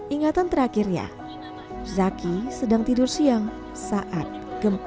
ingatan terakhirnya zaki sedang tidur siang saat gempa